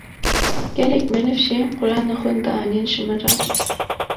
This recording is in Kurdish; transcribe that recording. Gelek meriv jî Qu’rana xwe dianîn ji min re.